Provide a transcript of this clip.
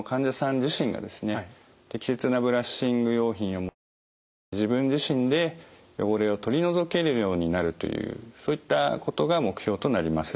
適切なブラッシング用品を用いて自分自身で汚れを取り除けるようになるというそういったことが目標となります。